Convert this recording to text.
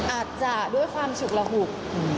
อาจจะด้วยความฉุกระหุก